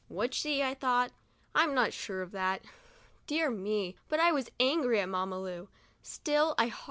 "Would she?" I thought. "I'm not so sure of that." Dear me, but I was angry at Mamma Lu